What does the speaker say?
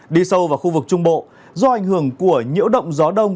đi sâu vào khu vực trung bộ do ảnh hưởng của nhiễu động gió đông